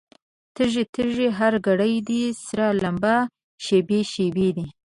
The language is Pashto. تږی، تږی هر ګړی دی، سره لمبه شېبې شېبې دي